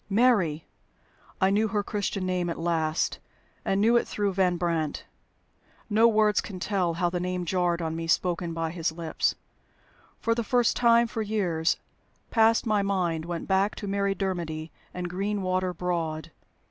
"Mary"! I knew her Christian name at last, and knew it through Van Brandt. No words can tell how the name jarred on me, spoken by his lips. For the first time for years past my mind went back to Mary Dermody and Greenwater Broad.